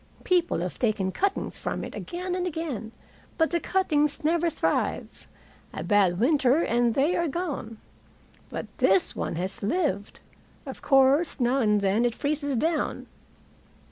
People have taken cuttings from it again and again, but the cuttings never thrive. A bad winter, and they are gone. But this one has lived. Of course now and then it freezes down."